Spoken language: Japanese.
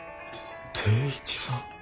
定一さん。